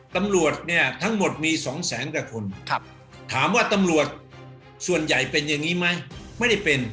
ตำรวจเนี่ยทั้งหมดมี๒แสนกว่าคนถามว่าตำรวจส่วนใหญ่เป็นอย่างนี้ไหมไม่ได้เป็น